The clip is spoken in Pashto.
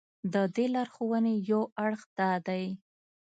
د دې لارښوونې یو اړخ دا دی.